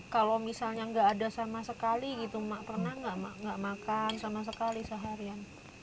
kalau misalnya nggak ada sama sekali gitu mak pernah nggak makan sama sekali seharian